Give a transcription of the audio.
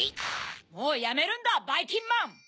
もうやめるんだばいきんまん！